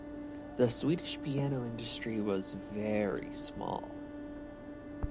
The Swedish piano industry was very small.